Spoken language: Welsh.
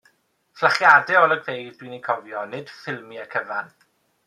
Fflachiadau o olygfeydd dwi'n eu cofio, nid ffilmiau cyfan.